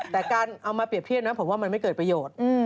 แต่การเอามาเปรียบเทียบนะผมว่ามันไม่เกิดประโยชน์